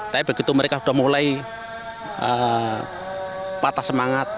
tapi begitu mereka sudah mulai patah semangat